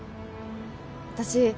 私